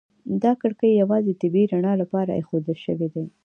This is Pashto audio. دا کړکۍ یوازې د طبیعي رڼا لپاره ایښودل شوي دي.